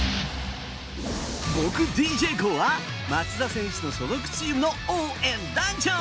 僕、ＤＪＫＯＯは松田選手の所属チームの応援団長。